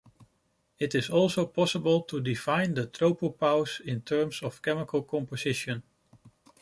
It is also possible to define the tropopause in terms of chemical composition.